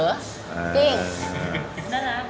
จริงน่ารัก